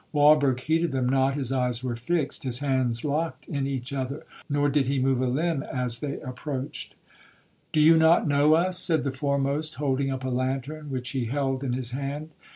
Walberg heeded them not,—his eyes were fixed,—his hands locked in each other;—nor did he move a limb as they approached. 'Do you not know us?' said the foremost, holding up a lantern which he held in his hand.